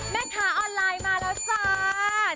แม่ค้าออนไลน์มาแล้วจ้า